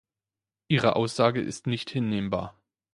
Ihre Aussage ist nicht hinnehmbar.